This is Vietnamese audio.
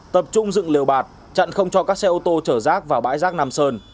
tập trung dựng liều bạt chặn không cho các xe ô tô chở rác vào bãi rác nam sơn